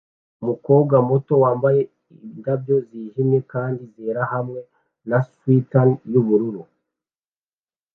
Umukobwa muto wambaye indabyo zijimye kandi zera hamwe na swater yubururu